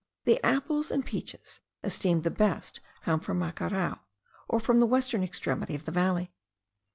The apples and peaches esteemed the best come from Macarao, or from the western extremity of the valley.